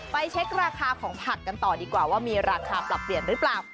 เช็คราคาของผักกันต่อดีกว่าว่ามีราคาปรับเปลี่ยนหรือเปล่า